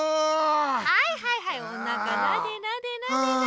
はいはいはいおなかなでなでなで。